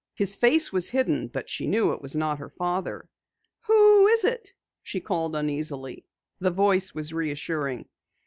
His face was hidden, but she knew it was not her father. "Who is it?" she called uneasily. The voice was reassuring.